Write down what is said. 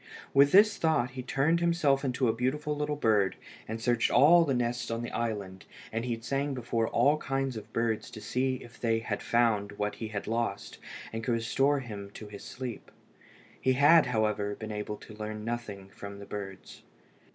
With this thought he turned himself into a beautiful little bird, and searched all the nests in the island, and he'd sang before all kinds of birds to see if they had found what he had lost, and could restore to him his sleep. He had, however, been able to learn nothing from the birds.